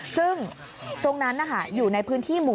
ซึ่งตรงนั้นนะคะอยู่ในพื้นที่หมู่